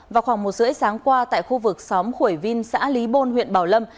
vào khoảng một h ba mươi sáng qua tại khu vực xóm khuổi vin xã lý bôn huyện bảo lâm